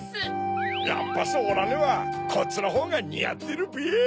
やっぱしオラにはこっちのほうがにあってるべ。